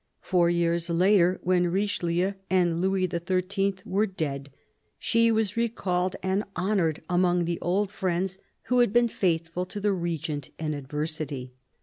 Four years later, when Richelieu and Louis XHL were dead, she was recalled and honoured among the old friends who had been faithful to the Regent in adversity.